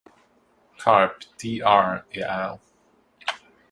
Karp D. R. et al.